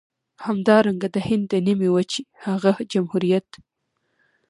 همدارنګه د هند د نيمې وچې هغه جمهوريت.